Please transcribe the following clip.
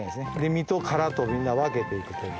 実と殻とみんな分けて行くという。